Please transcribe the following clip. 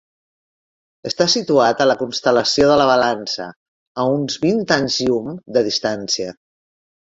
Està situat a la constel·lació de la Balança, a uns vint anys-llum de distància.